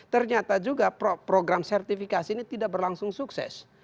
ternyata juga program sertifikasi ini tidak berlangsung sukses